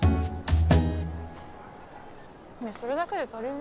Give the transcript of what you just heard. ねぇそれだけで足りる？